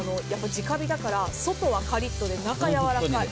直火だから外はカリッとで中、やわらかい。